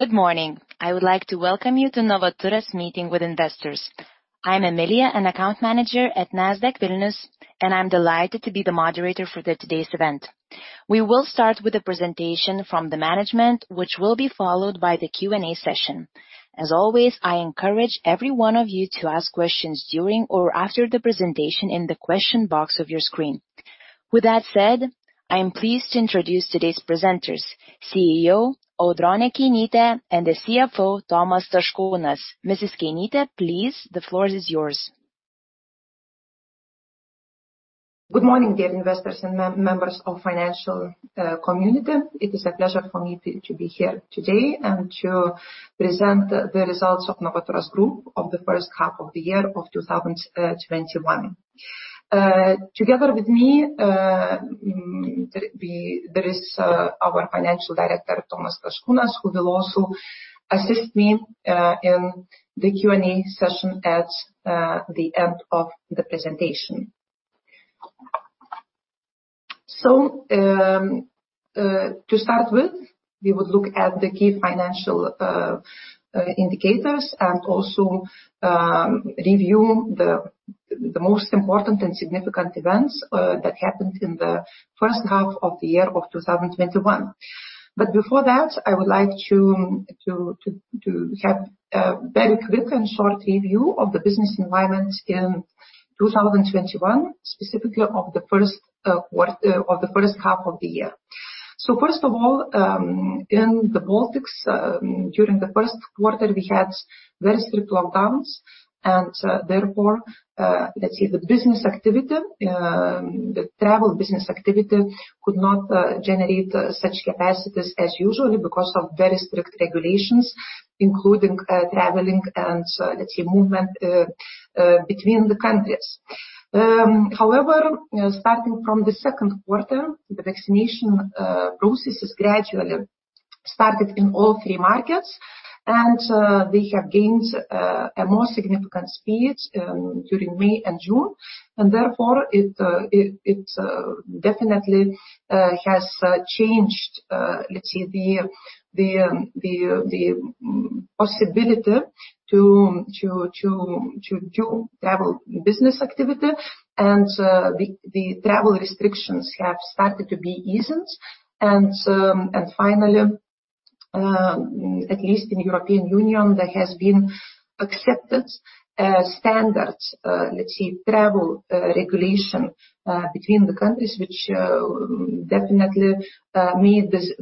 Good morning. I would like to welcome you to Novaturas meeting with investors. I'm Emilia, an account manager at Nasdaq Vilnius, and I'm delighted to be the moderator for the today's event. We will start with a presentation from the management, which will be followed by the Q&A session. As always, I encourage every one of you to ask questions during or after the presentation in the question box of your screen. With that said, I am pleased to introduce today's presenters, CEO Audronė Keinytė and the CFO Tomas Staškūnas. Mrs. Keinytė, please, the floor is yours. Good morning, dear investors and members of financial community. It is a pleasure for me to be here today and to present the results of Novaturas Group of the 1st half of the year of 2021. Together with me, there is our financial director, Tomas Staškūnas, who will also assist me in the Q&A session at the end of the presentation. To start with, we would look at the key financial indicators and also review the most important and significant events that happened in the 1st half of the year of 2021. Before that, I would like to have a very quick and short review of the business environment in 2021, specifically of the 1st half of the year. First of all, in the Baltics, during the 1st quarter, we had very strict lockdowns. Therefore, let's say, the travel business activity could not generate such capacities as usually because of very strict regulations, including traveling and, let's say, movement between the countries. However, starting from the second quarter, the vaccination processes gradually started in all three markets, and they have gained a more significant speed during May and June. Therefore, it definitely has changed, let's say, the possibility to do travel business activity, and the travel restrictions have started to be easened. Finally, at least in European Union, there has been accepted standards, let's say, travel regulation between the countries, which definitely made this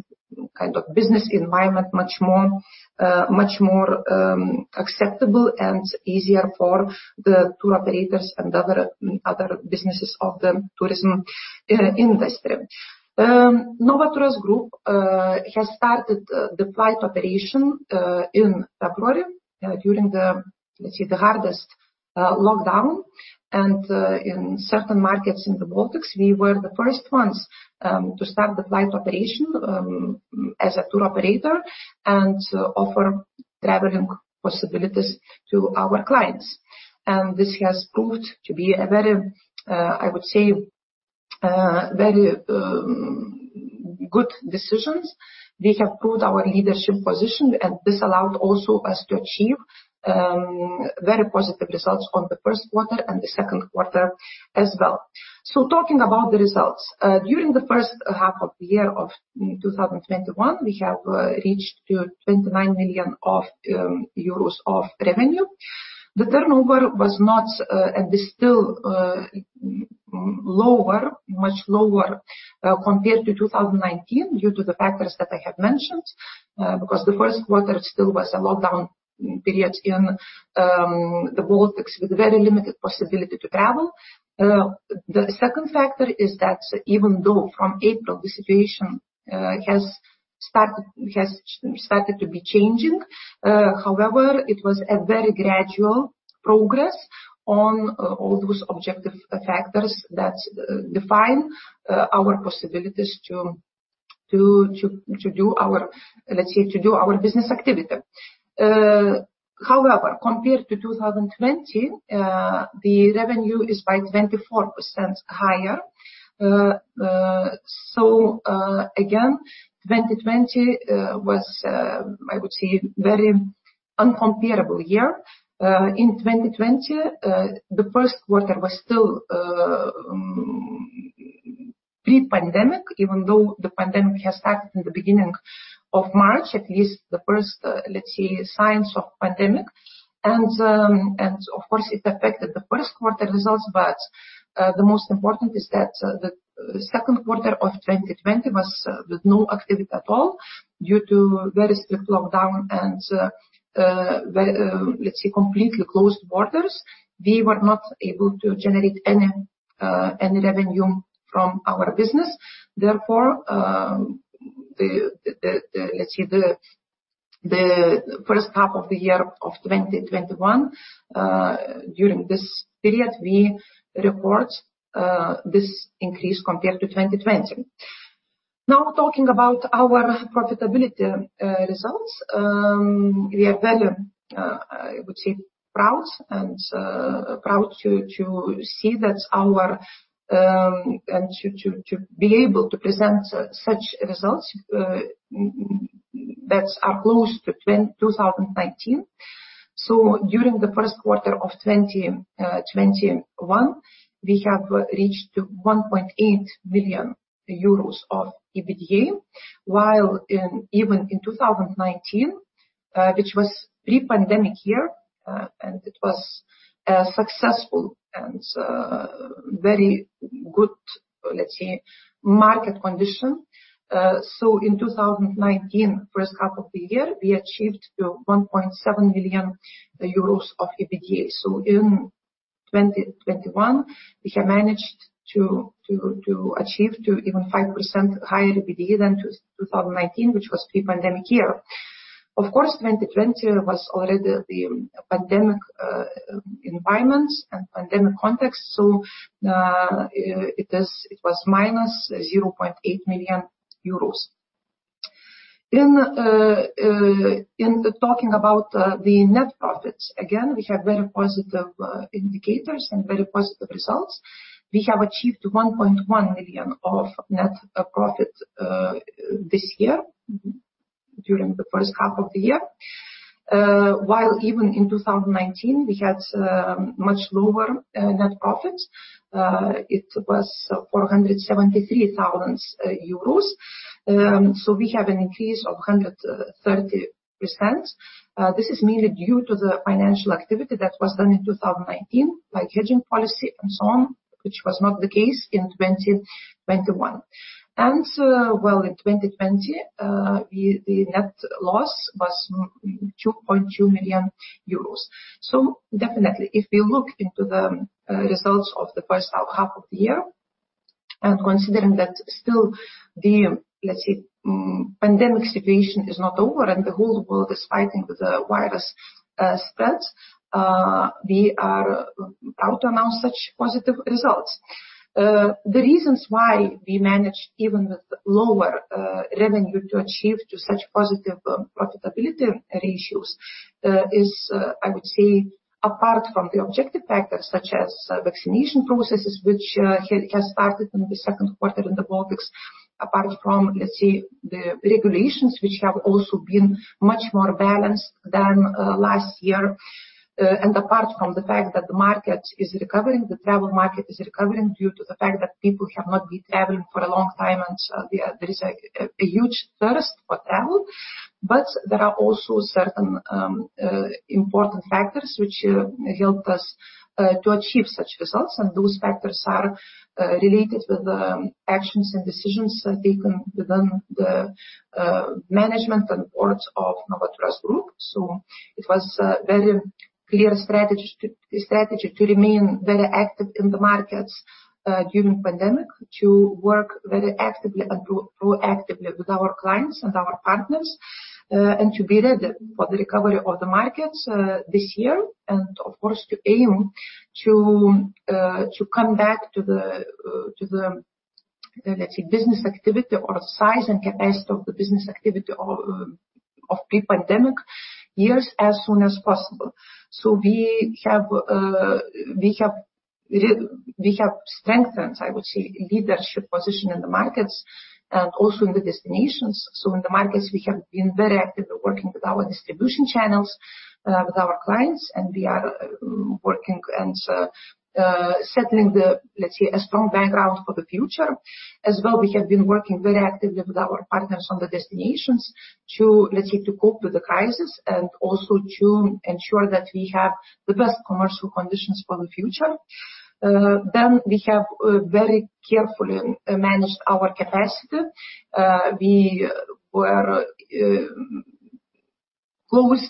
kind of business environment much more acceptable and easier for the tour operators and other businesses of the tourism industry. Novaturas Group has started the flight operation in February during the, let's say, the hardest lockdown. In certain markets in the Baltics, we were the first ones to start the flight operation as a tour operator and offer traveling possibilities to our clients. This has proved to be a very, I would say, very good decisions. We have proved our leadership position, and this allowed also us to achieve very positive results from the first quarter and the second quarter as well. Talking about the results. During the first half of the year of 2021, we have reached to 29 million euros of revenue. The turnover was not, and is still lower, much lower compared to 2019 due to the factors that I have mentioned. Because the first quarter still was a lockdown period in the Baltics with very limited possibility to travel. The second factor is that even though from April the situation has started to be changing, however, it was a very gradual progress on all those objective factors that define our possibilities to do our, let's say, to do our business activity. However, compared to 2020, the revenue is by 24% higher. Again, 2020 was, I would say, very uncomparable year. In 2020, the first quarter was still pre-pandemic, even though the pandemic has started in the beginning of March, at least the first, let's say, signs of pandemic. Of course, it affected the first quarter results. The most important is that the second quarter of 2020 was with no activity at all due to very strict lockdown and, let's say, completely closed borders. We were not able to generate any revenue from our business. Let's say, the first half of 2021, during this period, we report this increase compared to 2020. Talking about our profitability results. We are very, I would say, proud to see and to be able to present such results that are close to 2019. During the first quarter of 2021, we have reached 1.8 million euros of EBITDA, while even in 2019, which was pre-pandemic year, and it was a successful and very good, let's say, market condition. In 2019, first half of the year, we achieved 1.7 million euros of EBITDA. In 2021, we have managed to achieve even 5% higher EBITDA than 2019, which was pre-pandemic year. Of course, 2020 was already the pandemic environment and pandemic context, it was minus 0.8 million euros. Talking about the net profits, again, we have very positive indicators and very positive results. We have achieved 1.1 million of net profit this year during the first half of the year. Even in 2019, we had much lower net profits. It was 473,000 euros. We have an increase of 130%. This is mainly due to the financial activity that was done in 2019, like hedging policy and so on, which was not the case in 2021. While in 2020, the net loss was 2.2 million euros. Definitely if we look into the results of the first half of the year, and considering that still the, let's say, pandemic situation is not over and the whole world is fighting with the virus spreads, we are proud to announce such positive results. The reasons why we managed, even with lower revenue, to achieve to such positive profitability ratios, is, I would say, apart from the objective factors such as vaccination processes, which here it has started in Q2 in the Baltics, apart from, let's say, the regulations, which have also been much more balanced than last year. Apart from the fact that the market is recovering, the travel market is recovering due to the fact that people have not been traveling for a long time, and there is a huge thirst for travel. There are also certain important factors which helped us to achieve such results, and those factors are related with the actions and decisions taken within the management and boards of Novaturas Group. It was a very clear strategy to remain very active in the markets during pandemic, to work very actively and proactively with our clients and our partners, and to be ready for the recovery of the markets this year. Of course, to aim to come back to the, let's say, business activity or size and capacity of the business activity of pre-pandemic years as soon as possible. We have strengthened, I would say, leadership position in the markets and also in the destinations. In the markets, we have been very active working with our distribution channels, with our clients, and we are working and settling the, let's say, a strong background for the future. As well, we have been working very actively with our partners on the destinations to, let's say, to cope with the crisis and also to ensure that we have the best commercial conditions for the future. We have very carefully managed our capacity. We were close,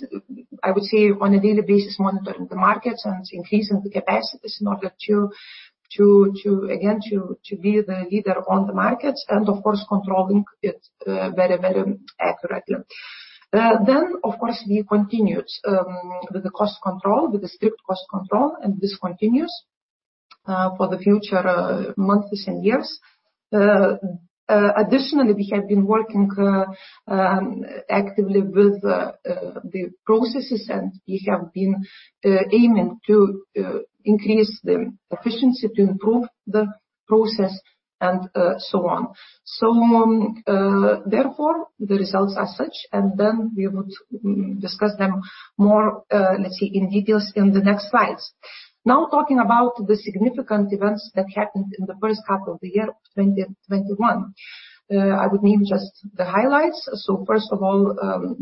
I would say, on a daily basis, monitoring the markets and increasing the capacities in order to, again, to be the leader on the markets and of course, controlling it very, very accurately. Of course, we continued with the cost control, with the strict cost control, and this continues for the future months and years. Additionally, we have been working actively with the processes, and we have been aiming to increase the efficiency to improve the process and so on. Therefore, the results are such, and then we would discuss them more, let's say, in details in the next slides. Talking about the significant events that happened in the first half of the year 2021. I would name just the highlights. First of all,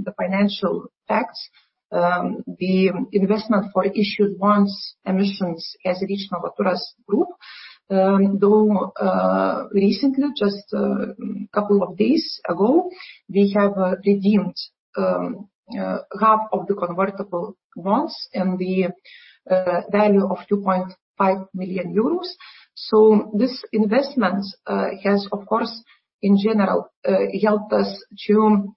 the financial facts. The investment for issued bonds emissions has reached Novaturas Group. Though recently, just two days ago, we have redeemed half of the convertible bonds in the value of 2.5 million euros. This investment has, of course, in general, helped us to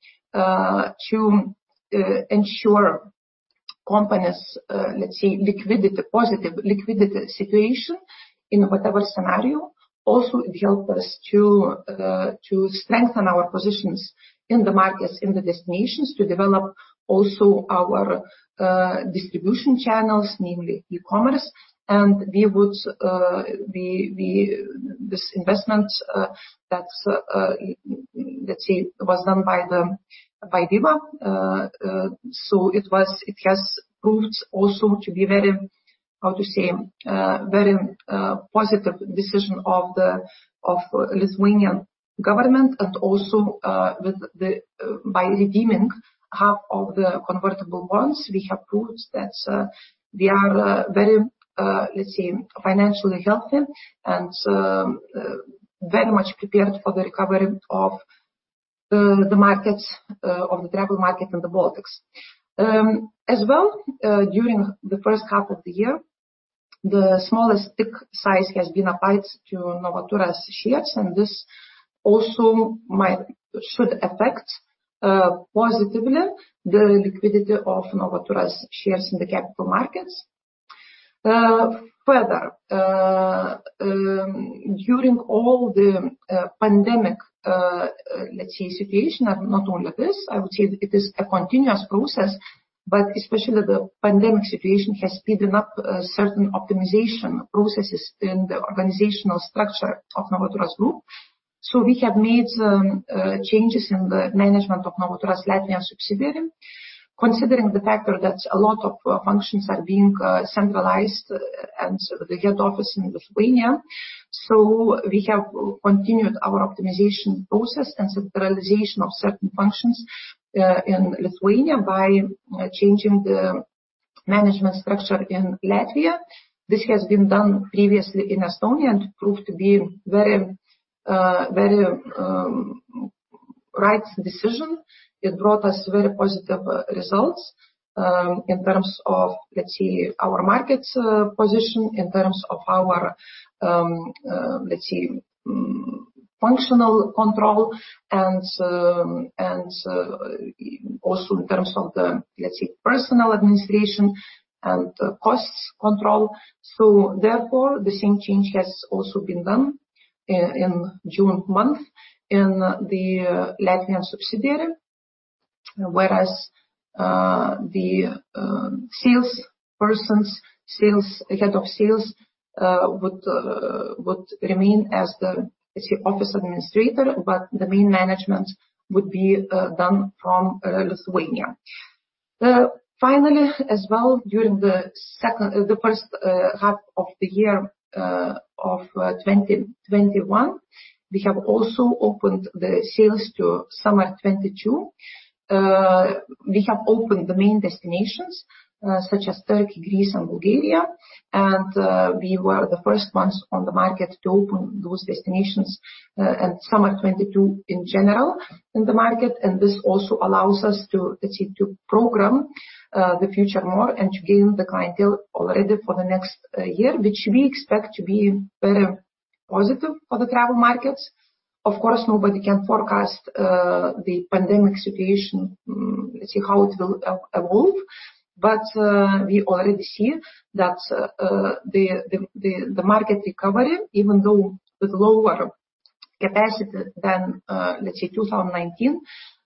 ensure company's, let's say, positive liquidity situation in whatever scenario. Also, it helped us to strengthen our positions in the markets, in the destinations, to develop also our distribution channels, namely e-commerce. This investment that was done by INVEGA. It has proved also to be very positive decision of the Lithuanian government, and also by redeeming half of the convertible bonds, we have proved that we are very financially healthy, and very much prepared for the recovery of the travel market in the Baltics. As well, during the first half of the year, the smallest tick size has been applied to Novaturas shares, and this also should affect positively the liquidity of Novaturas shares in the capital markets. Further, during all the pandemic situation, not only this, I would say it is a continuous process, but especially the pandemic situation has speeden up certain optimization processes in the organizational structure of Novaturas Group. We have made some changes in the management of Novaturas subsidiary. Considering the factor that a lot of functions are being centralized and the head office in Lithuania. We have continued our optimization process and centralization of certain functions in Lithuania by changing the management structure in Latvia. This has been done previously in Estonia and proved to be very right decision. It brought us very positive results in terms of our market position, in terms of our functional control, and also in terms of the personal administration and costs control. Therefore, the same change has also been done in June month in the Latvian subsidiary, whereas the sales persons, head of sales would remain as the office administrator, but the main management would be done from Lithuania. Finally, as well during the first half of the year of 2021, we have also opened the sales to summer 2022. We have opened the main destinations, such as Turkey, Greece, and Bulgaria. We were the first ones on the market to open those destinations and summer 2022 in general in the market. This also allows us to program the future more and to gain the clientele already for the next year, which we expect to be very positive for the travel markets. Of course, nobody can forecast the pandemic situation, see how it will evolve. We already see that the market recovery, even though with lower capacity than 2019,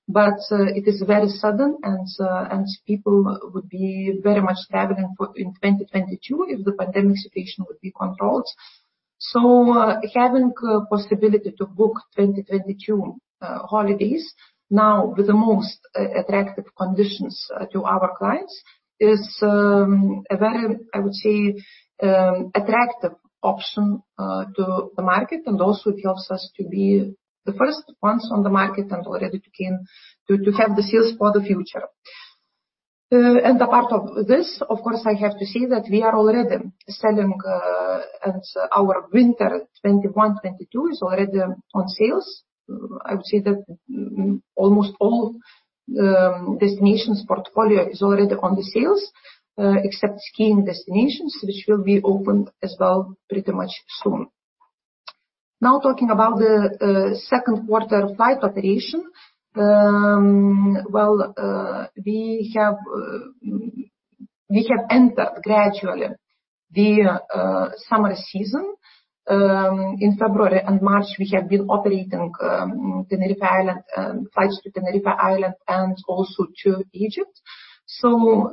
but it is very sudden and people would be very much traveling in 2022 if the pandemic situation would be controlled. Having possibility to book 2022 holidays now with the most attractive conditions to our clients is a very, I would say, attractive option to the market. Also it helps us to be the first ones on the market and already to have the sales for the future. Apart of this, of course, I have to say that we are already selling, and our winter 2021, 2022 is already on sales. I would say that almost all destinations portfolio is already on the sales. Except skiing destinations, which will be opened as well pretty much soon. Talking about the second quarter flight operation. We have entered gradually the summer season. In February and March, we have been operating Tenerife Island, flights to Tenerife Island and also to Egypt.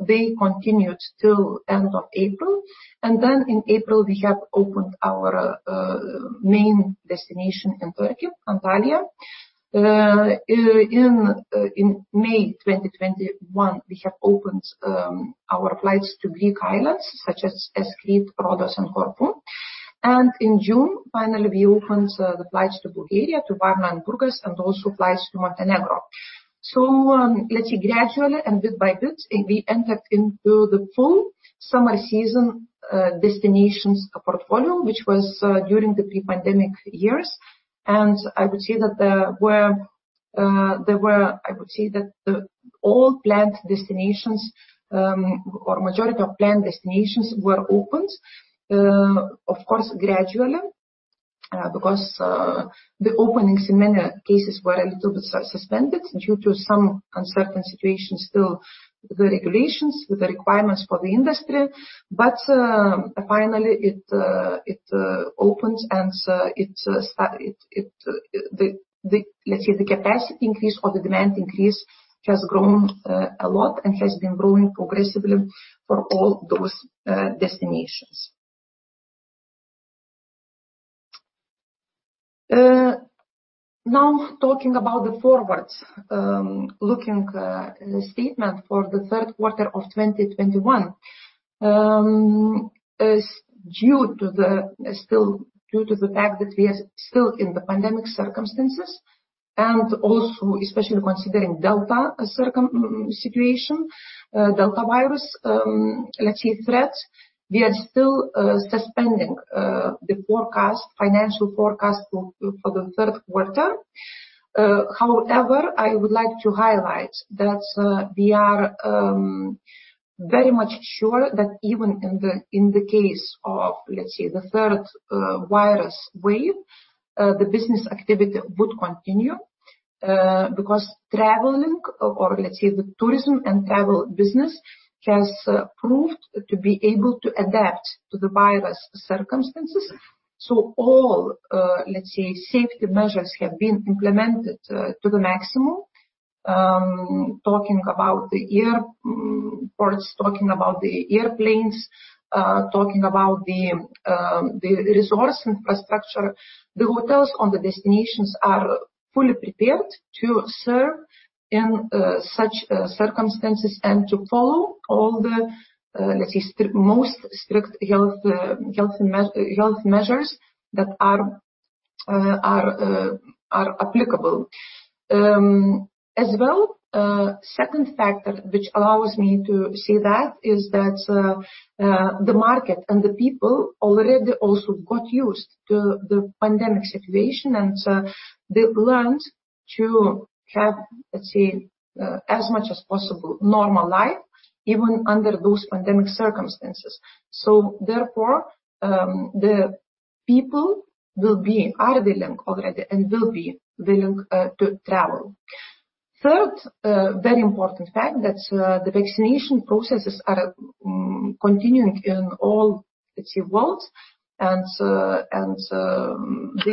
They continued till end of April. In April, we have opened our main destination in Turkey, Antalya. In May 2021, we have opened our flights to Greek islands such as Crete, Rhodes, and Corfu. In June, finally we opened the flights to Bulgaria, to Varna and Burgas, and also flights to Montenegro. Let's see, gradually and bit by bit, we entered into the full summer season destinations portfolio, which was during the pre-pandemic years. I would say that all planned destinations, or majority of planned destinations were opened, of course, gradually. Because the openings in many cases were a little bit suspended due to some uncertain situations, still the regulations with the requirements for the industry. Finally, it opens and the capacity increase or the demand increase has grown a lot and has been growing progressively for all those destinations. Talking about the forward-looking statement for the third quarter of 2021. Due to the fact that we are still in the pandemic circumstances, and also especially considering Delta situation, Delta virus threat, we are still suspending the financial forecast for the third quarter. However, I would like to highlight that we are very much sure that even in the case of the third virus wave, the business activity would continue. Traveling, or the tourism and travel business, has proved to be able to adapt to the virus circumstances. All safety measures have been implemented to the maximum. Talking about the airports, talking about the airplanes, talking about the resource infrastructure. The hotels on the destinations are fully prepared to serve in such circumstances and to follow all the most strict health measures that are applicable. As well, second factor which allows me to say that, is that the market and the people already also got used to the pandemic situation, and they've learned to have as much as possible normal life, even under those pandemic circumstances. Therefore, the people are willing already and will be willing to travel. Third, very important fact, that the vaccination processes are continuing in all the world. They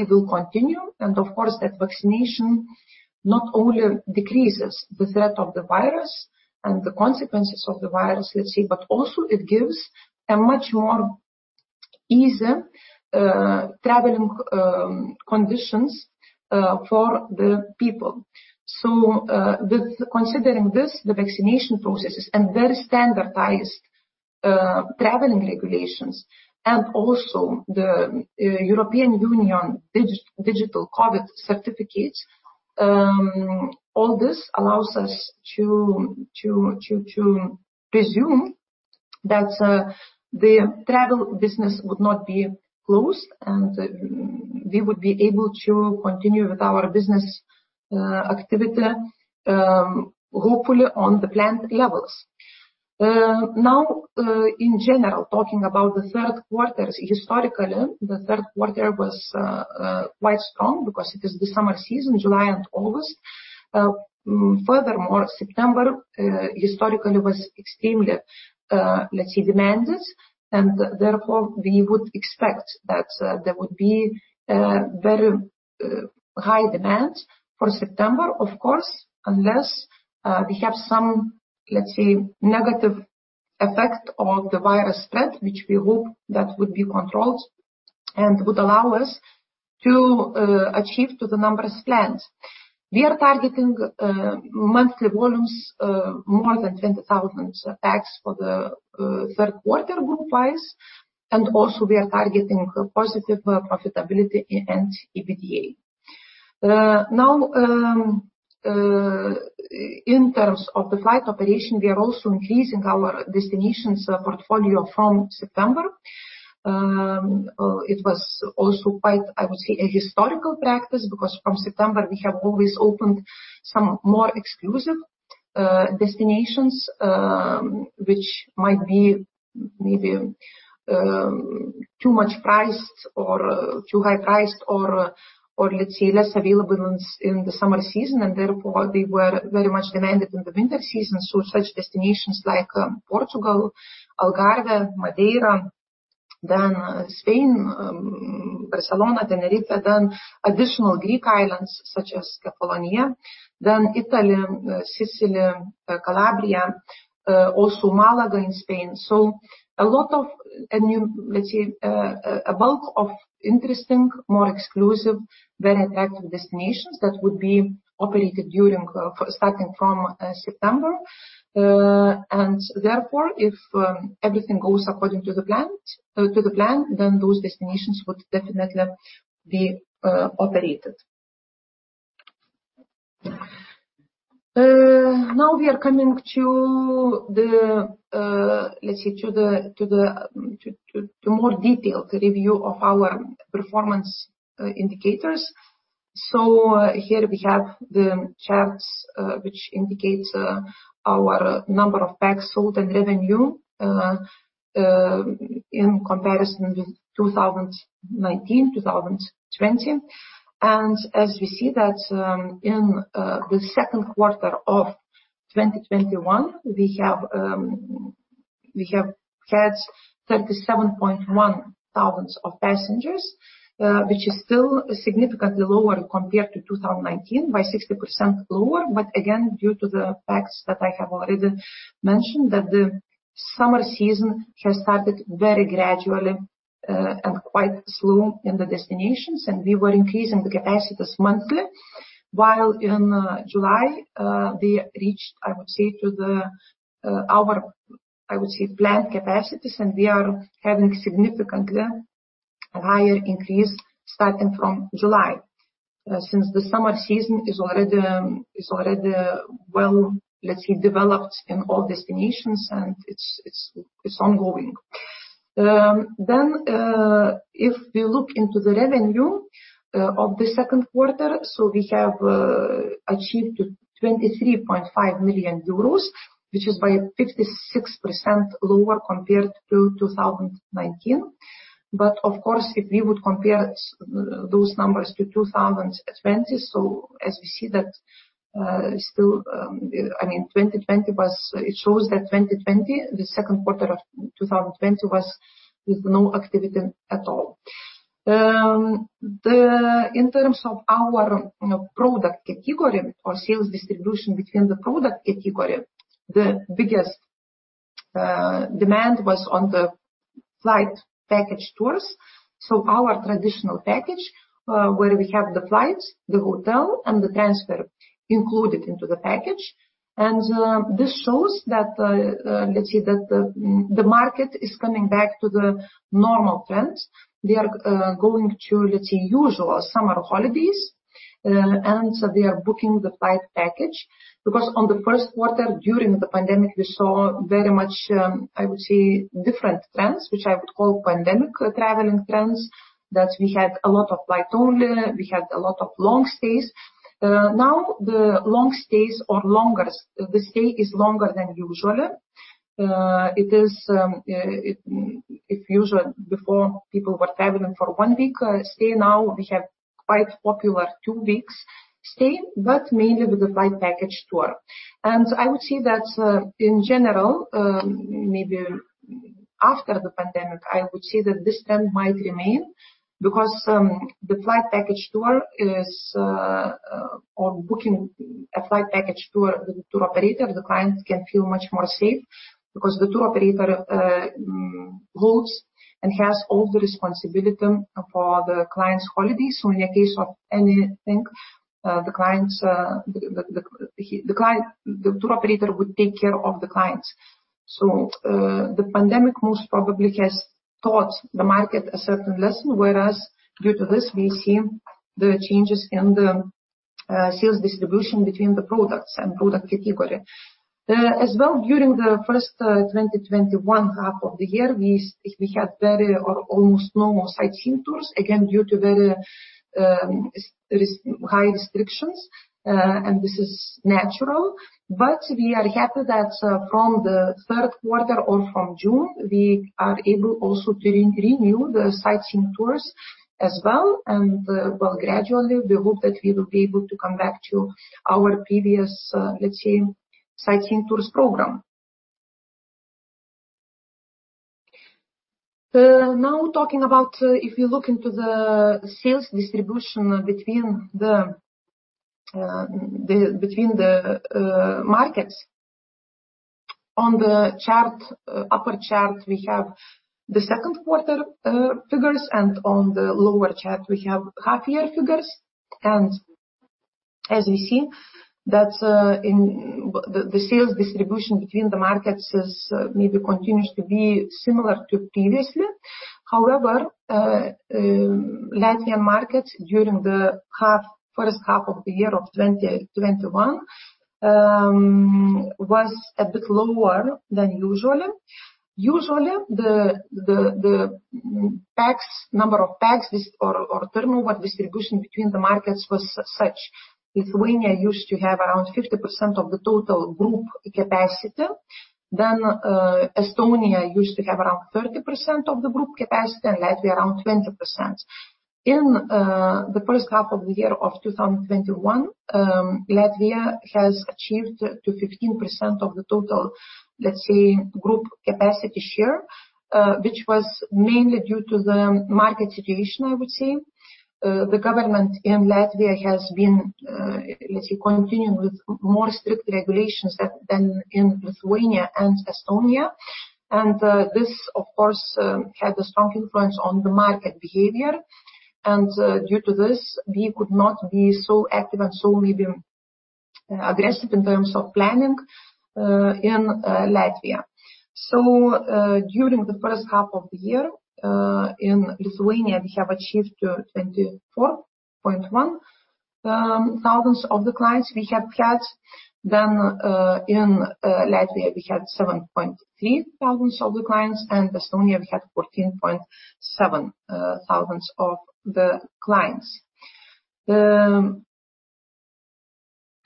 will continue, of course, that vaccination not only decreases the threat of the virus and the consequences of the virus, let's say, but also it gives a much more easy traveling conditions for the people. With considering this, the vaccination processes and very standardized traveling regulations, and also the European Union Digital COVID certificates, all this allows us to presume that the travel business would not be closed, and we would be able to continue with our business activity, hopefully on the planned levels. Now, in general, talking about the third quarters, historically, the third quarter was quite strong because it is the summer season, July and August. September historically was extremely demanded, therefore we would expect that there would be very high demand for September, of course, unless we have some negative effect of the virus threat, which we hope that would be controlled and would allow us to achieve to the numbers planned. We are targeting monthly volumes more than 20,000 seats for the third quarter group wise, also we are targeting positive profitability and EBITDA. In terms of the flight operation, we are also increasing our destinations portfolio from September. It was also quite, I would say, a historical practice, from September we have always opened some more exclusive destinations, which might be maybe too much priced or too high priced or less available in the summer season, therefore they were very much demanded in the winter season. Such destinations like Portugal, Algarve, Madeira, then Spain, Barcelona, Tenerife, then additional Greek islands such as Kefalonia, then Italy, Sicily, Calabria, also Malaga in Spain. A bulk of interesting, more exclusive, very attractive destinations that would be operated starting from September. Therefore, if everything goes according to the plan, then those destinations would definitely be operated. Now we are coming to more detailed review of our performance indicators. Here we have the charts, which indicates our number of pax sold and revenue in comparison with 2019, 2020. As we see that in the second quarter of 2021, we have had 37.1 thousands of passengers, which is still significantly lower compared to 2019, by 60% lower. Again, due to the facts that I have already mentioned, that the summer season has started very gradually and quite slow in the destinations, and we were increasing the capacities monthly. In July, we reached our planned capacities, and we are having significantly higher increase starting from July. The summer season is already well developed in all destinations and it's ongoing. If we look into the revenue of the second quarter. We have achieved 23.5 million euros, which is by 56% lower compared to 2019. Of course, if we would compare those numbers to 2020, so as we see that it shows that 2020, the second quarter of 2020, was with no activity at all. In terms of our product category or sales distribution between the product category, the biggest demand was on the flight package tours. Our traditional package where we have the flight, the hotel, and the transfer included into the package. This shows that the market is coming back to the normal trends. We are going to usual summer holidays, and so we are booking the flight package. On the first quarter, during the pandemic, we saw very much, I would say, different trends, which I would call pandemic traveling trends, that we had a lot of flight only, we had a lot of long stays. Now the long stays or the stay is longer than usual. If usual before people were traveling for 1 week stay, now we have quite popular two weeks stay, but mainly with the flight package tour. I would say that in general, maybe after the pandemic, I would say that this trend might remain because booking a flight package tour, the tour operator, the client can feel much more safe because the tour operator holds and has all the responsibility for the client's holiday. In case of anything, the tour operator would take care of the clients. The pandemic most probably has taught the market a certain lesson, whereas due to this, we see the changes in the sales distribution between the products and product category. As well, during the first 2021 half of the year, we had very or almost no more sightseeing tours, again, due to very high restrictions. This is natural. We are happy that from the three quarter or from June, we are able also to renew the sightseeing tours as well. Well, gradually, we hope that we will be able to come back to our previous sightseeing tours program. Now talking about if you look into the sales distribution between the markets. On the upper chart, we have the Q2 2021 figures, and on the lower chart, we have half-year figures. As you see that the sales distribution between the markets maybe continues to be similar to previously. However, Latvian markets during the first half of the year of 2021, was a bit lower than usual. Usually, the number of pax or turnover distribution between the markets was such. Lithuania used to have around 50% of the total Novaturas Group capacity. Estonia used to have around 30% of the Novaturas Group capacity, and Latvia around 20%. In the first half of the year of 2021, Latvia has achieved to 15% of the total group capacity share, which was mainly due to the market situation, I would say. The government in Latvia has been continuing with more strict regulations than in Lithuania and Estonia. This, of course, had a strong influence on the market behavior. Due to this, we could not be so active and so maybe aggressive in terms of planning in Latvia. During the first half of the year, in Lithuania, we have achieved to 24,100 of the clients we have had. In Latvia, we had 7,300 of the clients. In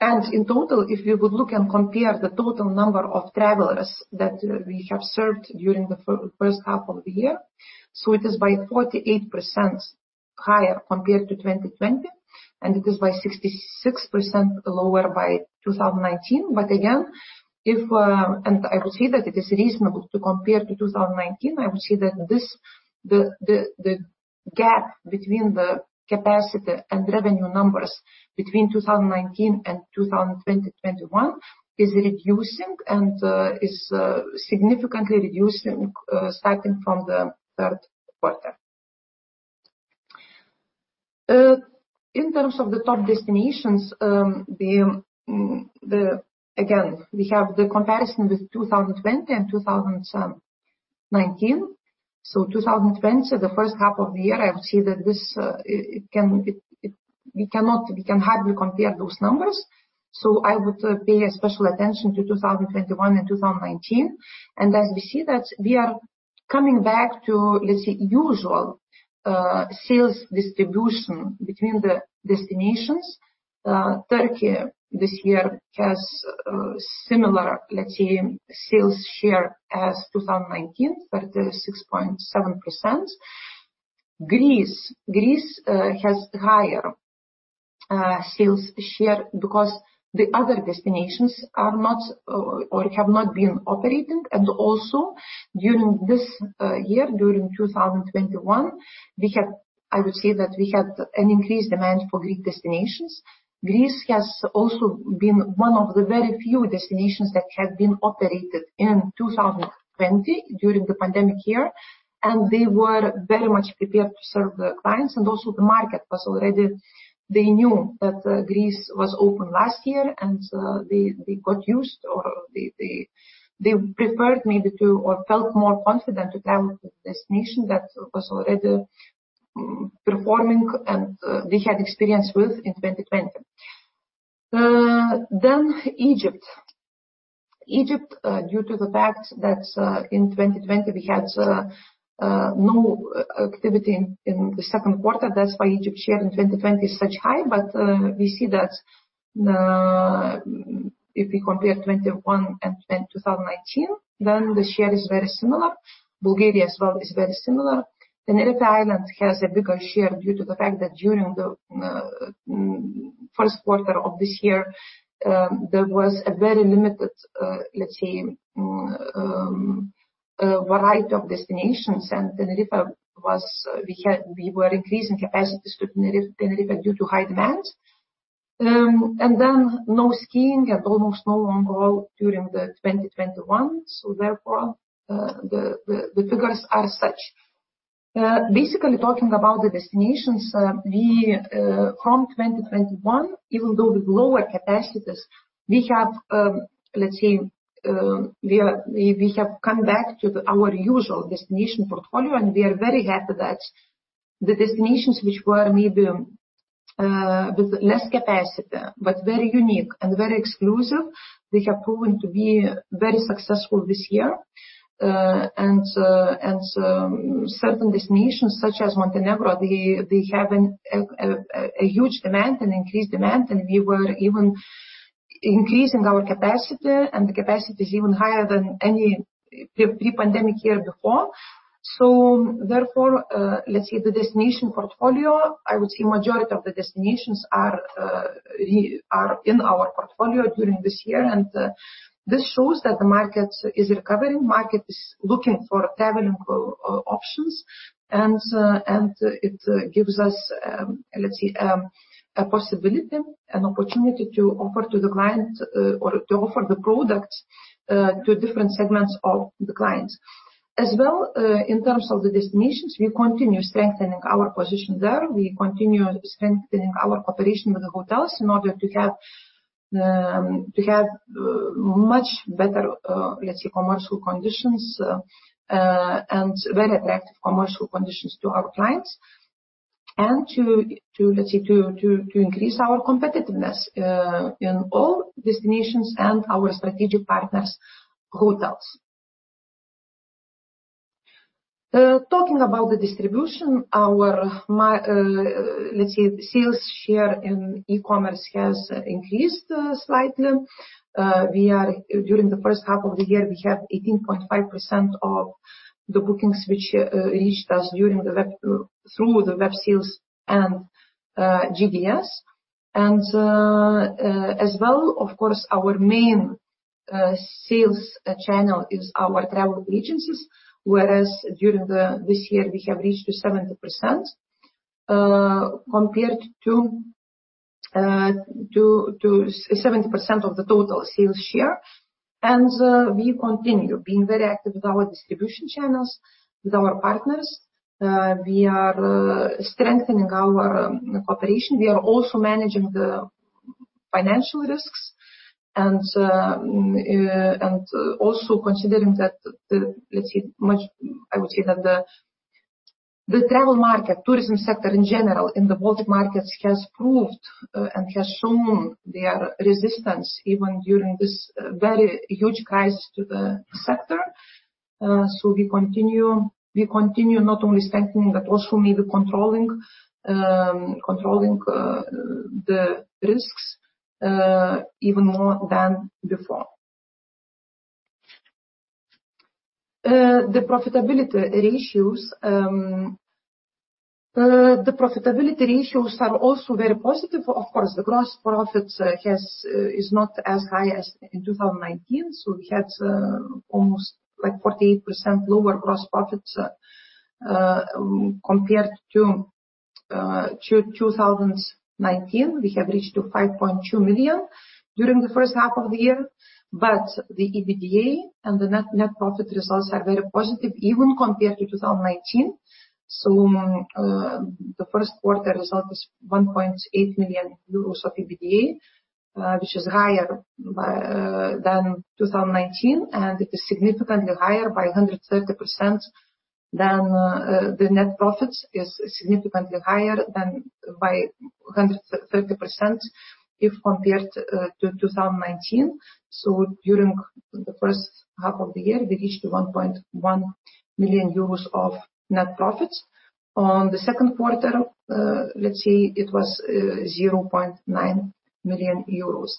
Estonia, we had 14,700 of the clients. In total, if you would look and compare the total number of travelers that we have served during the first half of the year, it is by 48% higher compared to 2020, and it is by 66% lower by 2019. Again, I would say that it is reasonable to compare to 2019. I would say that the gap between the capacity and revenue numbers between 2019 and 2020/21 is reducing, and is significantly reducing, starting from the third quarter. In terms of the top destinations, again, we have the comparison with 2020 and 2019. 2020, the first half of the year, I would say that we can hardly compare those numbers. I would pay special attention to 2021 and 2019. As we see that we are coming back to, let's say, usual sales distribution between the destinations. Turkey this year has similar, let's say, sales share as 2019, 36.7%. Greece has higher sales share because the other destinations are not or have not been operating. During this year, during 2021, I would say that we had an increased demand for Greek destinations. Greece has been one of the very few destinations that had been operated in 2020, during the pandemic year, and they were very much prepared to serve the clients. The market, they knew that Greece was open last year, and they got used or they preferred maybe to or felt more confident to travel to the destination that was already performing and they had experience with in 2020. Egypt. Egypt, due to the fact that in 2020 we had no activity in the second quarter, that's why Egypt share in 2020 is such high. We see that if we compare 2021 and 2019, then the share is very similar. Bulgaria as well is very similar. Tenerife Island has a bigger share due to the fact that during the first quarter of this year, there was a very limited, let's say, variety of destinations, and Tenerife, we were increasing capacities to Tenerife due to high demand. No skiing and almost no long haul during the 2021. Therefore, the figures are such. Basically talking about the destinations, from 2021, even though with lower capacities, we have come back to our usual destination portfolio. We are very happy that the destinations which were maybe with less capacity, but very unique and very exclusive, they have proven to be very successful this year. Certain destinations such as Montenegro, they have a huge demand, an increased demand, and we were even increasing our capacity, and the capacity is even higher than any pre-pandemic year before. Let's say the destination portfolio, I would say majority of the destinations are in our portfolio during this year. This shows that the market is recovering, market is looking for traveling options. It gives us, let's say, a possibility, an opportunity to offer to the client or to offer the product to different segments of the clients. As well, in terms of the destinations, we continue strengthening our position there. We continue strengthening our cooperation with the hotels in order to have much better, let's say, commercial conditions, and very attractive commercial conditions to our clients, and to, let's say, increase our competitiveness in all destinations and our strategic partners' hotels. Talking about the distribution, our, let's say, sales share in e-commerce has increased slightly. During the first half of the year, we have 18.5% of the bookings which reached us through the web sales and GDS. As well, of course, our main sales channel is our travel agencies, whereas during this year, we have reached to 70% of the total sales share. We continue being very active with our distribution channels, with our partners. We are strengthening our cooperation. We are also managing the financial risks. Also considering that the travel market, tourism sector in general in the Baltic markets has proved and has shown their resistance even during this very huge crisis to the sector. We continue not only strengthening, but also maybe controlling the risks even more than before. The profitability ratios are also very positive. Of course, the gross profit is not as high as in 2019, so we had almost 48% lower gross profits compared to 2019. We have reached 5.2 million during the first half of the year. The EBITDA and the net profit results are very positive even compared to 2019. The first quarter result is 1.8 million euros of EBITDA, which is higher than 2019, and it is significantly higher by 130% than the net profit is significantly higher than by 130% if compared to 2019. During the first half of the year, we reached to 1.1 million euros of net profit. On the second quarter, let's say it was 0.9 million euros.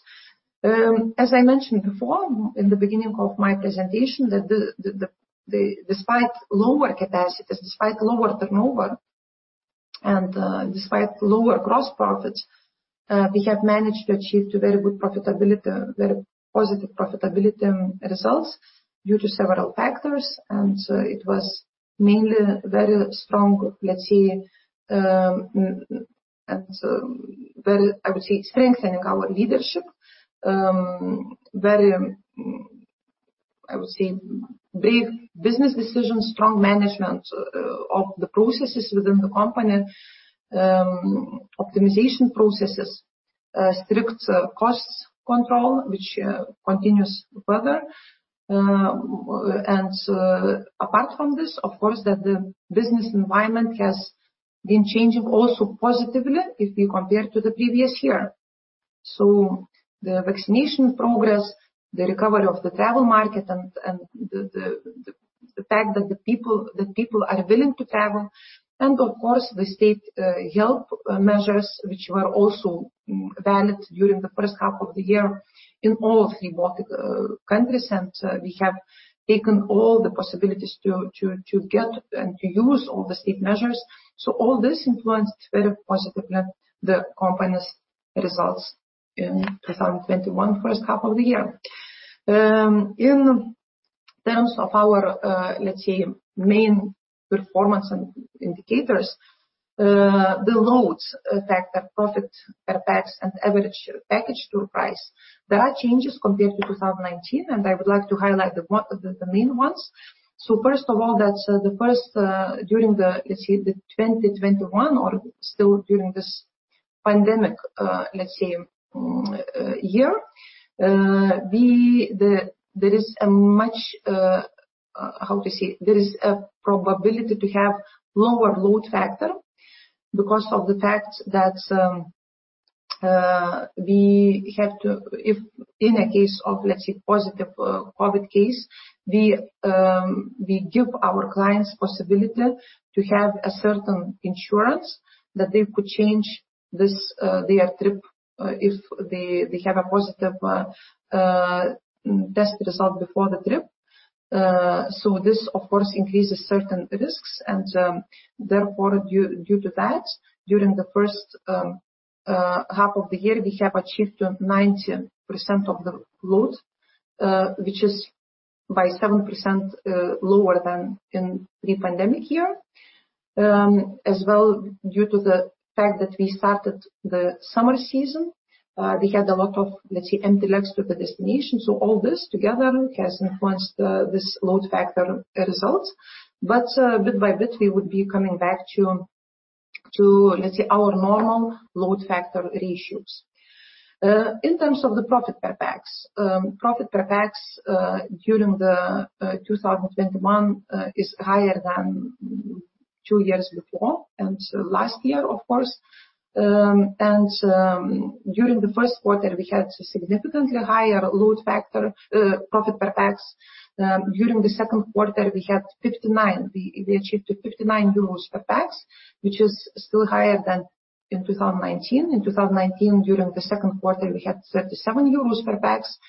As I mentioned before in the beginning of my presentation, that despite lower capacities, despite lower turnover and despite lower gross profits, we have managed to achieve very good profitability, very positive profitability results due to several factors. It was mainly very strong, let's say very, I would say, strengthening our leadership. Very, I would say, brave business decisions, strong management of the processes within the company, optimization processes, strict costs control, which continues further. Apart from this, of course, that the business environment has been changing also positively if we compare to the previous year. The vaccination progress, the recovery of the travel market, and the fact that the people are willing to travel, and of course, the state help measures which were also valid during the first half of the year in all 3 Baltic countries. We have taken all the possibilities to get and to use all the state measures. All this influenced very positively the company's results in 2021, first half of the year. In terms of our main performance and indicators, the load factor, profit per pax, and average package tour price, there are changes compared to 2019, and I would like to highlight the main ones. First of all, that's the first during the 2021 or still during this pandemic year. There is a much, how to say, there is a probability to have lower load factor because of the fact that we have to, if in a case of, let's say, positive COVID case, we give our clients possibility to have a certain insurance that they could change their trip if they have a positive test result before the trip. This, of course, increases certain risks and, therefore, due to that, during the first half of the year, we have achieved 90% of the load. Which is by 7% lower than in pre-pandemic year. Due to the fact that we started the summer season, we had a lot of, let's say, empty legs to the destination. All this together has influenced this load factor results. Bit by bit, we would be coming back to, let's say, our normal load factor ratios. In terms of the profit per pax. Profit per pax during the 2021 is higher than two years before and last year, of course. During the first quarter, we had a significantly higher load factor, profit per pax. During the second quarter, we achieved €59 per pax, which is still higher than in 2019. In 2019, during the second quarter, we had €37 per pax,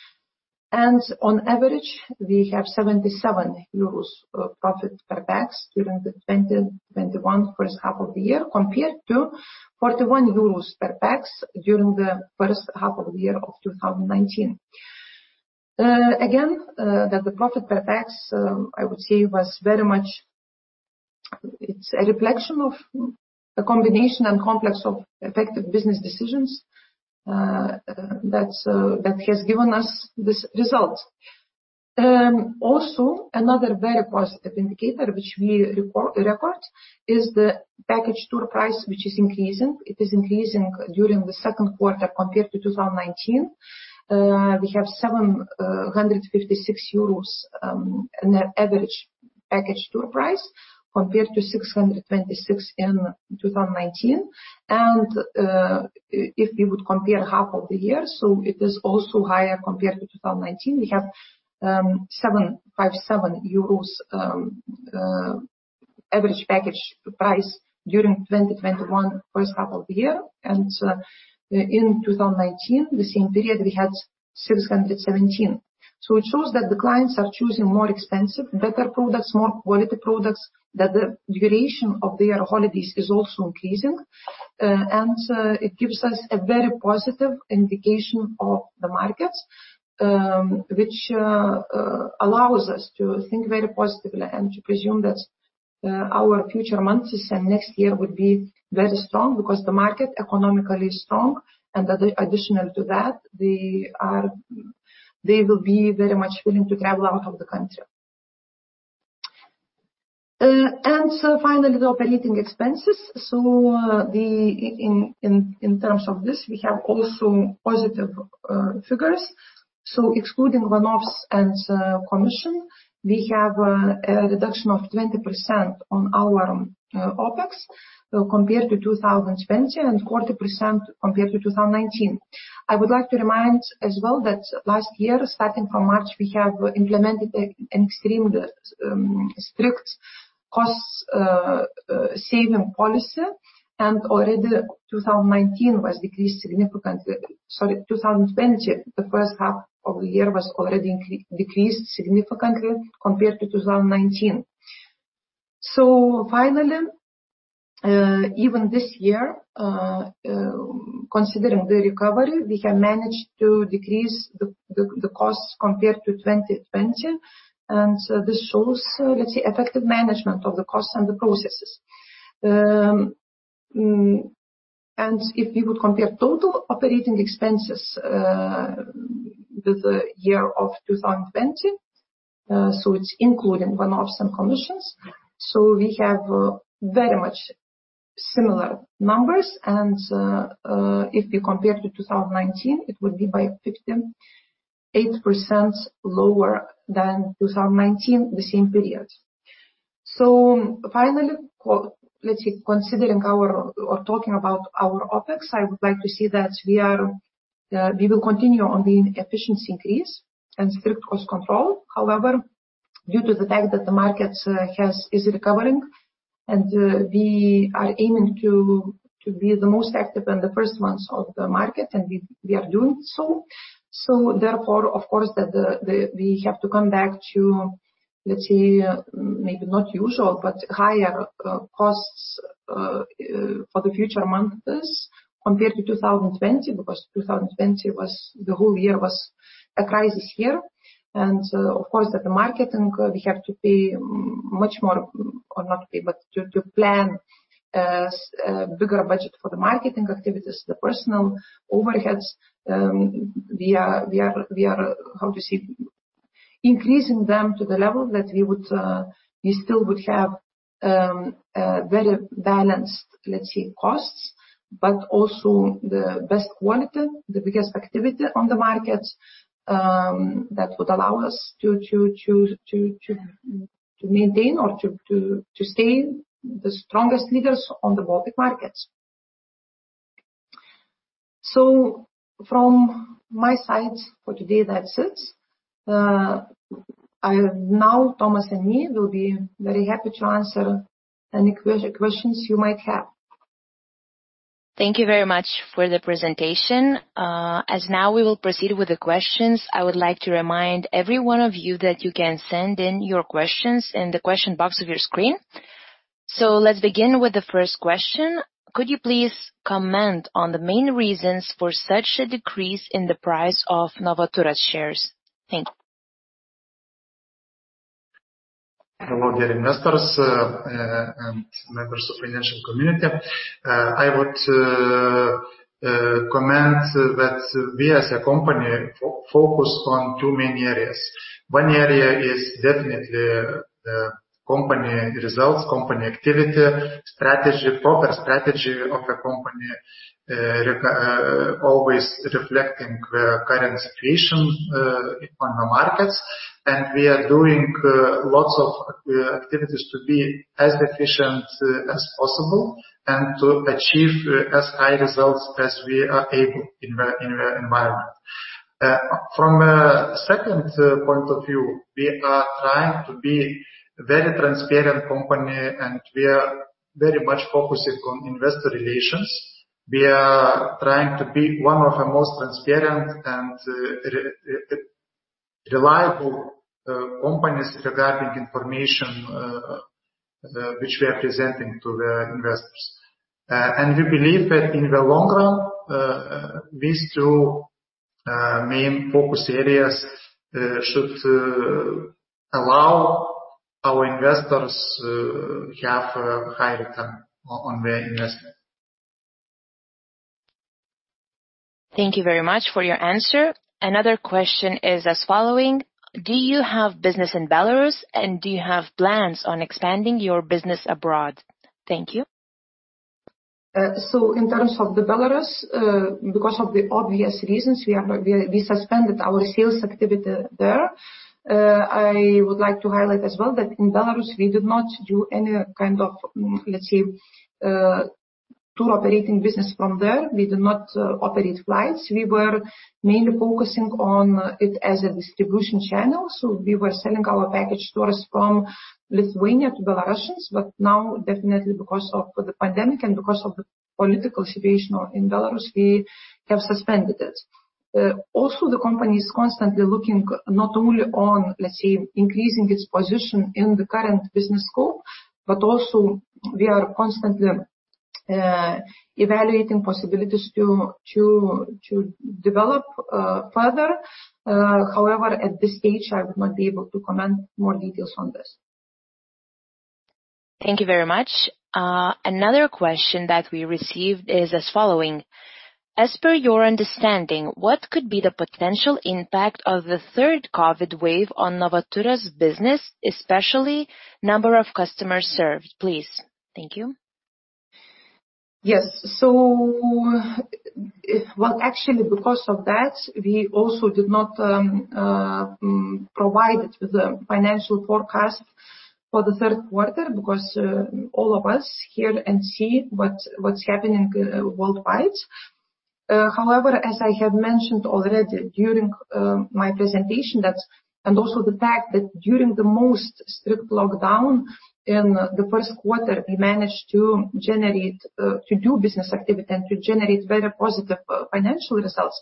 and on average, we have €77 profit per pax during the 2021 first half of the year, compared to €41 per pax during the first half of the year of 2019. Again, that the profit per pax, I would say, it's a reflection of the combination and complex of effective business decisions that has given us this result. Also, another very positive indicator which we record is the package tour price which is increasing. It is increasing during the second quarter compared to 2019. We have 756 euros net average package tour price compared to 626 in 2019. If we would compare half of the year, it is also higher compared to 2019. We have 757 euros average package price during 2021 first half of the year. In 2019, the same period, we had 617. It shows that the clients are choosing more expensive, better products, more quality products, that the duration of their holidays is also increasing. It gives us a very positive indication of the markets, which allows us to think very positively and to presume that our future months and next year would be very strong because the market economically is strong, and that additional to that, they will be very much willing to travel out of the country. Finally, the operating expenses. In terms of this, we have also positive figures. Excluding one-offs and commission, we have a reduction of 20% on our OPEX compared to 2020 and 40% compared to 2019. I would like to remind as well that last year, starting from March, we have implemented extreme strict cost-saving policy, and already 2019 was decreased significantly. Sorry, 2020, the first half of the year was already decreased significantly compared to 2019. Finally, even this year, considering the recovery, we have managed to decrease the costs compared to 2020. This shows, let's say, effective management of the costs and the processes. If you would compare total operating expenses with the year of 2020, it's including one-offs and commissions. We have very much similar numbers. If we compare to 2019, it would be by 58% lower than 2019, the same period. Finally, let's say talking about our OPEX, I would like to say that we will continue on the efficiency increase and strict cost control. However, due to the fact that the market is recovering and we are aiming to be the most active in the first months of the market, and we are doing so. Therefore, of course, we have to come back to, let's say, maybe not usual, but higher costs for the future months compared to 2020, because 2020 the whole year was a crisis year. Of course, at the marketing, we have to pay much more or not pay, but to plan a bigger budget for the marketing activities, the personal overheads. We are, how to say, increasing them to the level that we still would have a very balanced, let's say, costs, but also the best quality, the biggest activity on the market that would allow us to maintain or to stay the strongest leaders on the Baltic markets. From my side for today, that's it. Now Tomas and me will be very happy to answer any questions you might have. Thank you very much for the presentation. As now we will proceed with the questions, I would like to remind every one of you that you can send in your questions in the question box of your screen. Let's begin with the first question. Could you please comment on the main reasons for such a decrease in the price of Novaturas shares? Thank you. Hello, dear investors and members of financial community. I would comment that we as a company focus on two main areas. One area is definitely the company results, company activity, proper strategy of the company, always reflecting the current situation on the markets. We are doing lots of activities to be as efficient as possible and to achieve as high results as we are able in the environment. From a second point of view, we are trying to be very transparent company, and we are very much focusing on investor relations. We are trying to be one of the most transparent and reliable companies regarding information which we are presenting to the investors. We believe that in the long run, these two main focus areas should allow our investors to have a high return on their investment. Thank you very much for your answer. Another question is as following: do you have business in Belarus, and do you have plans on expanding your business abroad? Thank you. In terms of Belarus, because of the obvious reasons, we suspended our sales activity there. I would like to highlight as well that in Belarus, we did not do any kind of tour operating business from there. We did not operate flights. We were mainly focusing on it as a distribution channel. We were selling our package tours from Lithuania to Belarusians, but now definitely because of the pandemic and because of the political situation in Belarus, we have suspended it. The company is constantly looking not only on increasing its position in the current business scope, but also we are constantly evaluating possibilities to develop further. However, at this stage, I would not be able to comment more details on this. Thank you very much. Another question that we received is as following: as per your understanding, what could be the potential impact of the third COVID wave on Novaturas business, especially number of customers served, please? Thank you. Yes. Actually, because of that, we also did not provide the financial forecast for the third quarter because all of us hear and see what's happening worldwide. As I have mentioned already during my presentation, and also the fact that during the most strict lockdown in the first quarter, we managed to do business activity and to generate very positive financial results.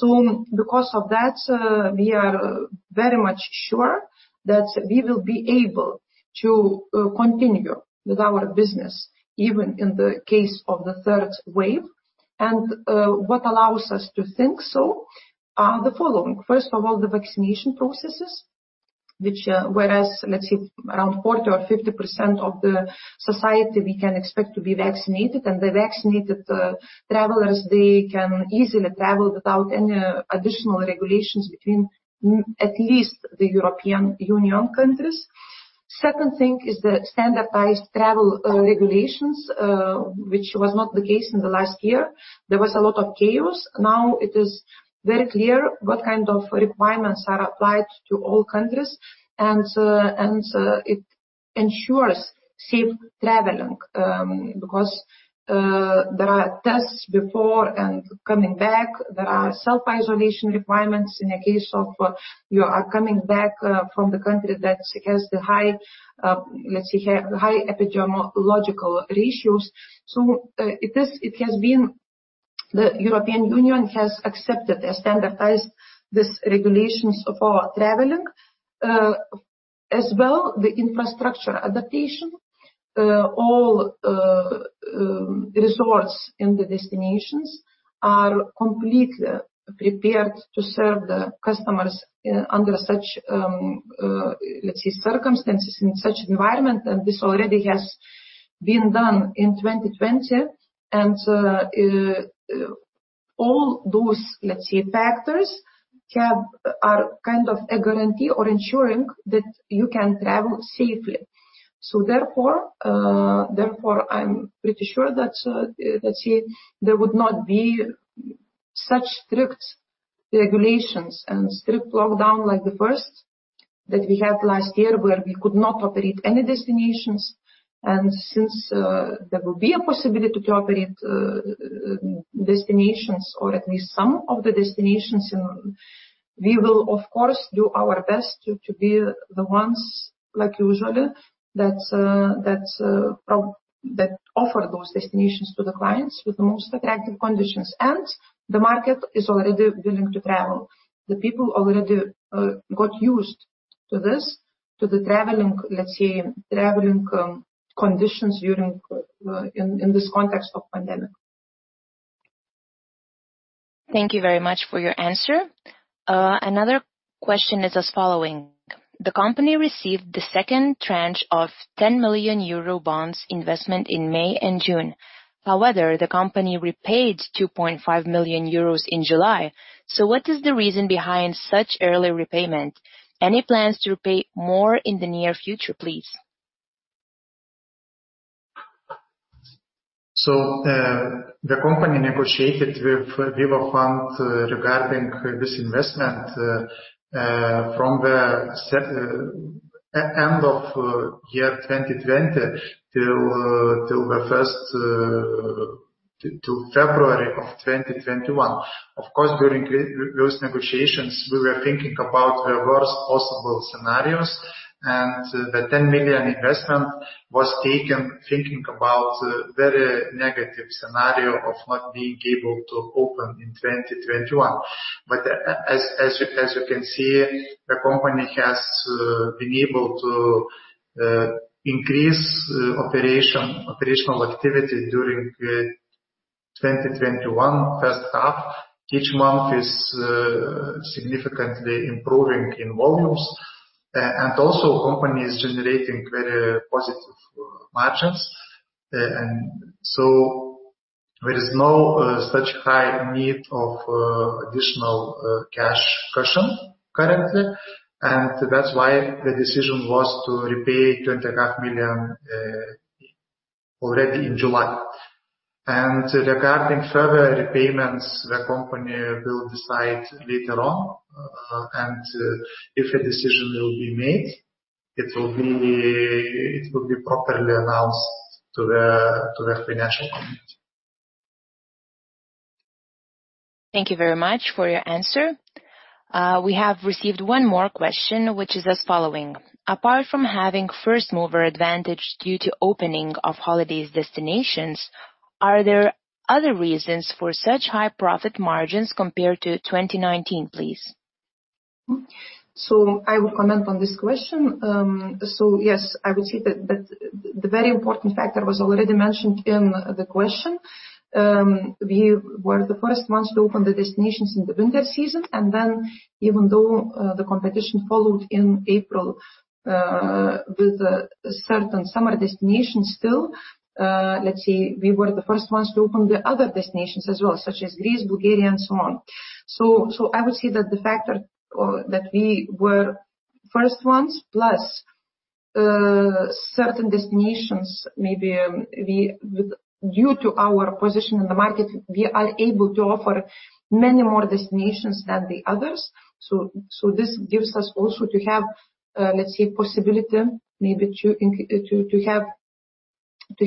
Because of that, we are very much sure that we will be able to continue with our business even in the case of the third wave. What allows us to think so are the following. First of all, the vaccination processes, which whereas, let's say, around 40% or 50% of the society we can expect to be vaccinated, and the vaccinated travelers, they can easily travel without any additional regulations between at least the European Union countries. Second thing is the standardized travel regulations, which was not the case in the last year. There was a lot of chaos. Now it is very clear what kind of requirements are applied to all countries, and it ensures safe traveling, because there are tests before and coming back. There are self-isolation requirements in the case of you are coming back from the country that has the high epidemiological ratios. The European Union has accepted and standardized these regulations for traveling. As well, the infrastructure adaptation. All resorts in the destinations are completely prepared to serve the customers under such circumstances, in such environment, and this already has been done in 2020. All those factors are kind of a guarantee or ensuring that you can travel safely. Therefore, I'm pretty sure that there would not be such strict regulations and strict lockdown like the first that we had last year where we could not operate any destinations. Since there will be a possibility to operate destinations or at least some of the destinations, we will of course do our best to be the ones, like usually, that offer those destinations to the clients with the most attractive conditions. The market is already willing to travel. The people already got used to this, to the traveling conditions in this context of pandemic. Thank you very much for your answer. Another question is as following. The company received the second tranche of 10 million euro bonds investment in May and June. However, the company repaid 2.5 million euros in July. What is the reason behind such early repayment? Any plans to repay more in the near future, please? The company negotiated with VIVA Fund regarding this investment from the end of year 2020 till February of 2021. Of course, during those negotiations, we were thinking about the worst possible scenarios, and the 10 million investment was taken thinking about very negative scenario of not being able to open in 2021. As you can see, the company has been able to increase operational activity during 2021 first half. Each month is significantly improving in volumes. Also company is generating very positive margins. There is no such high need of additional cash cushion currently, and that's why the decision was to repay 25 million already in July. Regarding further repayments, the company will decide later on, and if a decision will be made, it will be properly announced to the financial community. Thank you very much for your answer. We have received one more question, which is as following: apart from having first-mover advantage due to opening of holidays destinations, are there other reasons for such high profit margins compared to 2019, please? I will comment on this question. Yes, I would say that the very important factor was already mentioned in the question. We were the first ones to open the destinations in the winter season, and then even though the competition followed in April with certain summer destinations still, let's say we were the first ones to open the other destinations as well, such as Greece, Bulgaria, and so on. I would say that the factor that we were first ones, plus certain destinations, maybe due to our position in the market, we are able to offer many more destinations than the others. This gives us also to have, let's say, possibility maybe to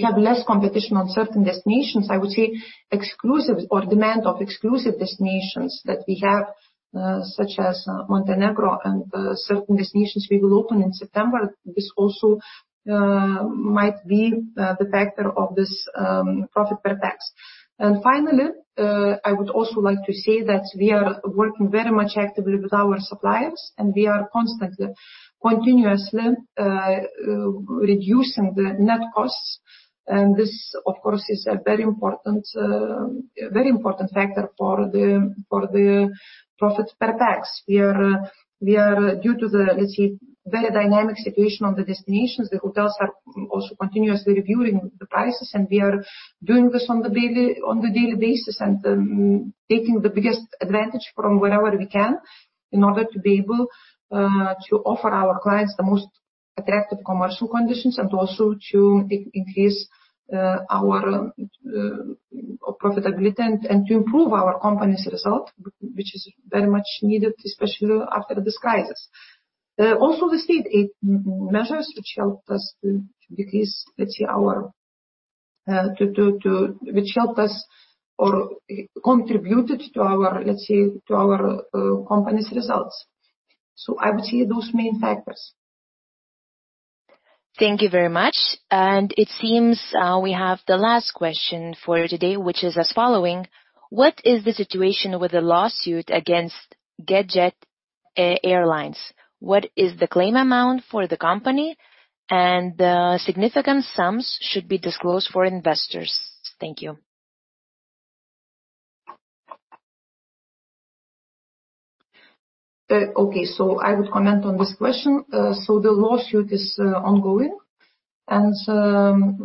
have less competition on certain destinations, I would say exclusives or demand of exclusive destinations that we have, such as Montenegro and certain destinations we will open in September. This also might be the factor of this profit per pax. Finally, I would also like to say that we are working very much actively with our suppliers, and we are constantly, continuously reducing the net costs. This, of course, is a very important factor for the profit per pax. Due to the very dynamic situation of the destinations, the hotels are also continuously reviewing the prices, and we are doing this on the daily basis, and taking the biggest advantage from wherever we can in order to be able to offer our clients the most attractive commercial conditions, and also to increase our profitability and to improve our company's result, which is very much needed, especially after the crisis. The state aid measures which helped us to decrease, which helped us or contributed to our company's results. I would say those main factors. Thank you very much. It seems we have the last question for today, which is as following: what is the situation with the lawsuit against GetJet Airlines? What is the claim amount for the company, and significant sums should be disclosed for investors. Thank you. Okay, I would comment on this question. The lawsuit is ongoing, and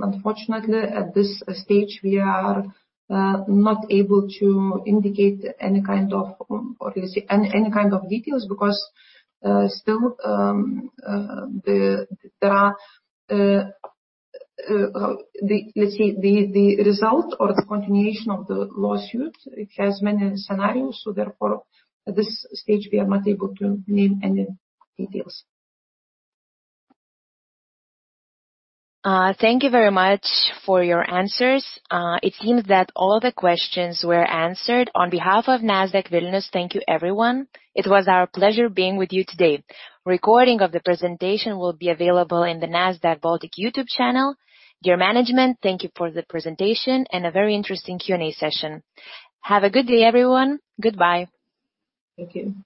unfortunately at this stage, we are not able to indicate any kind of details because still there are Let's say the result or the continuation of the lawsuit, it has many scenarios, therefore, at this stage we are not able to name any details. Thank you very much for your answers. It seems that all the questions were answered. On behalf of Nasdaq Vilnius, thank you, everyone. It was our pleasure being with you today. Recording of the presentation will be available in the Nasdaq Baltic YouTube channel. Dear management, thank you for the presentation and a very interesting Q&A session. Have a good day, everyone. Goodbye. Thank you.